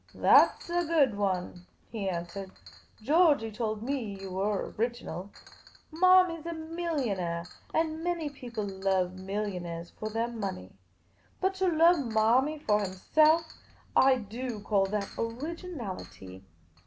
" That 's a good one," he answered. " Georgey told me you were original. Marmy 's a millionaire, and many people love millionaires for their money. But to love Marmy for himself — I do call that originality